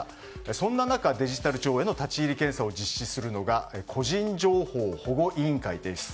そんな中、デジタル庁への立ち入り検査を実施するのが個人情報保護委員会です。